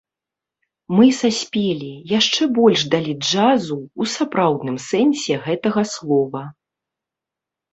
Мы саспелі, яшчэ больш далі джазу, у сапраўдным сэнсе гэтага слова.